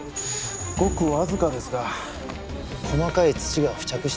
ごくわずかですが細かい土が付着していました。